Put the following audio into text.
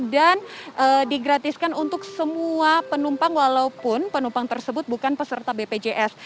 dan digratiskan untuk semua penumpang walaupun penumpang tersebut bukan peserta bpjs